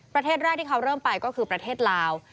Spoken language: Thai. ประเทศแรกที่เขาเริ่มไปก็คือประเทศลาว